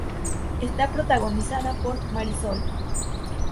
Está protagonizada por Marisol.